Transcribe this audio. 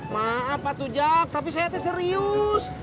maaf pak tujak tapi saya itu serius